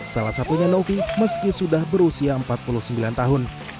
salah satunya novi meski sudah berusia empat puluh sembilan tahun